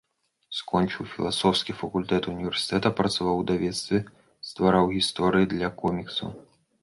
Скончыў філасофскі факультэт універсітэта, працаваў у выдавецтве, ствараў гісторыі для коміксаў.